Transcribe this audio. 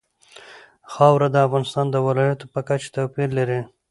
خاوره د افغانستان د ولایاتو په کچه توپیر لري.